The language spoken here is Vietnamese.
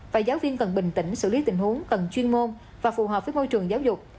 và giáo viên cần bình tĩnh xử lý tình huống cần chuyên môn và phù hợp với môi trường giáo dục